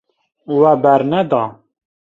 We berneda.